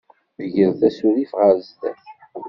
Gret asurif ɣer sdat.